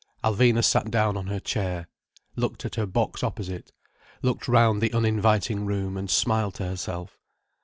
Alvina sat down on her chair, looked at her box opposite her, looked round the uninviting room, and smiled to herself.